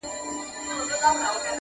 تر قلمه د بېلتون عزرایل راسي--!